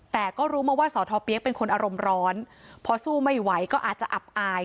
แต่ก็รู้มาว่าสอทอเปี๊ยกเป็นคนอารมณ์ร้อนพอสู้ไม่ไหวก็อาจจะอับอาย